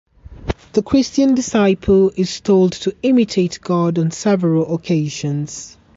The Christian disciple is told to imitate God on several occasions.